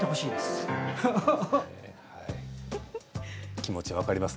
気持ち、分かります。